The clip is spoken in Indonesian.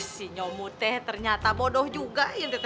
si nyomu teh ternyata bodoh juga